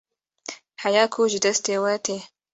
heya ku ji destê we tê